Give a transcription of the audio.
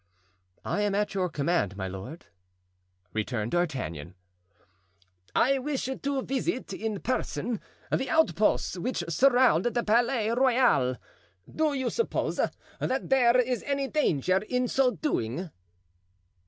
"I am at your command, my lord," returned D'Artagnan. "I wish to visit in person the outposts which surround the Palais Royal; do you suppose that there is any danger in so doing?"